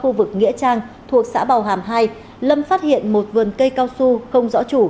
khu vực nghĩa trang thuộc xã bào hàm hai lâm phát hiện một vườn cây cao su không rõ chủ